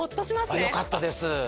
あ良かったです